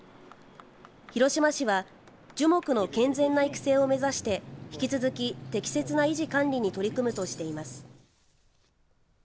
広島市は樹木の健全な育成を目指して引き続き適切な維持管理に取り組むとしています。